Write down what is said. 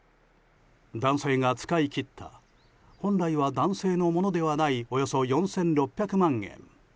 男性が使い切った本来は男性のものではないおよそ４６００万円。